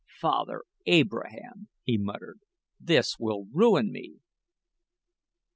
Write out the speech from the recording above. "Father Abraham," he muttered; "this will ruin me."